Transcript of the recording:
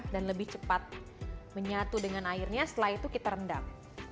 dan lebih cepat menyatu dengan airnya setelah itu kita rendam